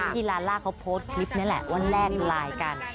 ที่ลล่าเขาโพส์คลิปนี้แหละวันแรกดูรายกัน